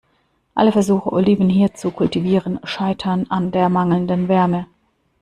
Alle Versuche, Oliven hier zu kultivieren, scheiterten an der mangelnden Wärme.